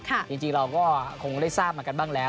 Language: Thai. จริงเราก็คงได้ทราบมากันบ้างแล้ว